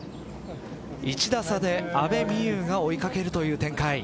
１打差で阿部未悠が追い掛けるという展開。